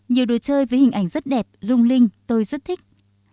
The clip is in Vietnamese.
nhiều đồ chơi với hình ảnh rất đẹp lung linh tôi rất thích